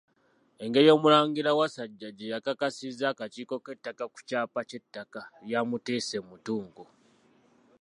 Engeri omulangira Wasajja gye yakakasizza akakiiko k'ettaka ku kyapa ky'ettaka lya Muteesa e Mutungo.